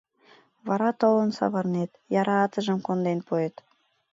Вара толын савырнет, яра атыжым конден пуэт.